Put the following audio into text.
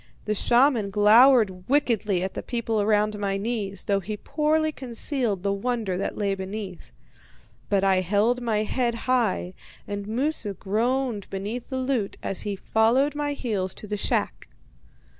The shaman glowered wickedly at the people around my knees, though he poorly concealed the wonder that lay beneath. But I held my head high, and Moosu groaned beneath the loot as he followed my heels to the shack.